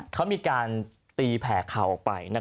เขามีการตีแผ่ข่าวออกไป